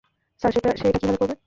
Sir, সে এটা কীভাবে করবে?